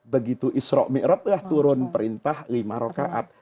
begitu isra' mi'rat lah turun perintah lima rokaat